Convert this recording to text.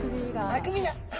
あくびだ。